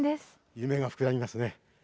夢が膨らみますね。